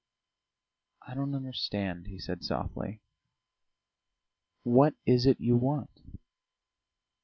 "I don't understand," he said softly. "What is it you want?"